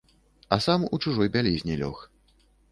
А сам у чужой бялізне лёг.